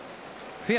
フェア。